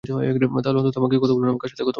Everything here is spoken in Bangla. তাহলে অন্তত আমাকে বলুন আমি কার সাথে কথা বলবো?